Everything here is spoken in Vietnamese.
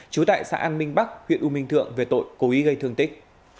trú tại xã an minh bắc huyện u minh thượng về tội cố ý gây thương tích